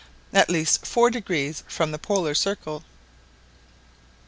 at least four degrees from the Polar circle.